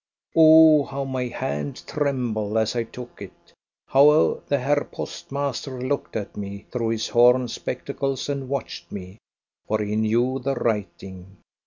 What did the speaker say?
Oh! how my hand trembled as I took it; how the Herr postmaster looked at me through his horn spectacles and watched me, for he knew the writing!